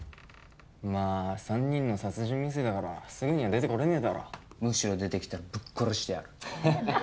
まあ三人の殺人未遂だからすぐには出てこれねえだろむしろ出てきたらぶっ殺してやるハハハ